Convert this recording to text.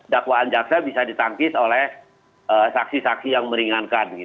dakwaan jaksa bisa ditangkis oleh saksi saksi yang meringankan